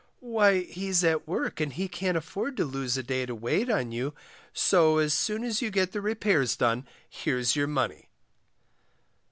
Why, he's at work, and he can't afford to lose a day to wait on you, so as soon as you get the repairs done here's your money.